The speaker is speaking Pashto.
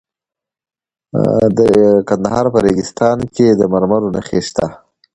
د کندهار په ریګستان کې د مرمرو نښې شته.